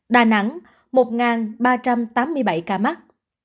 đà nẵng một ba trăm tám mươi bảy ca mắc